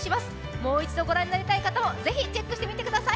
もう一度ご覧になりたい方も是非チェックしてみてください。